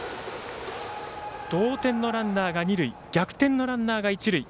同点のランナーが二塁逆転のランナーが一塁。